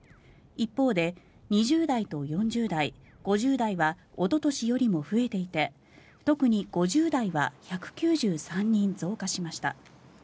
一方で２０代と４０代、５０代はおととしよりも増えていて特に５０代は１９３人増加しました。